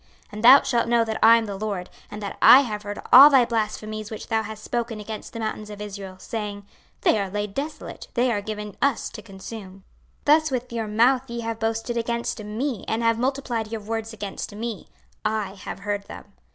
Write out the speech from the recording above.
26:035:012 And thou shalt know that I am the LORD, and that I have heard all thy blasphemies which thou hast spoken against the mountains of Israel, saying, They are laid desolate, they are given us to consume. 26:035:013 Thus with your mouth ye have boasted against me, and have multiplied your words against me: I have heard them.